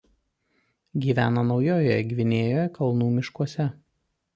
Gyvena Naujojoje Gvinėjoje kalnų miškuose.